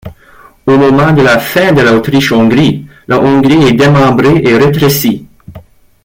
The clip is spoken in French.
Au moment de la fin de l'Autriche-Hongrie, la Hongrie est démembrée et rétrécie.